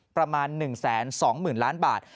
ประมาณ๑๒๐๐๐ล้านบาท